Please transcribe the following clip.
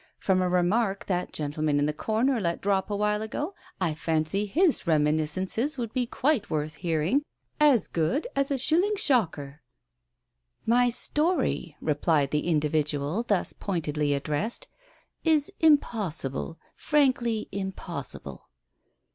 From a remark that gentleman in the corner let drop a while ago, I fancy his reminis Digitized by Google 144 TALES OF THE UNEASY cences would be quite worth hearing, as good as a shilling shocker." "My story," replied the individual thus pointedly addressed, "is impossible, frankly impossible."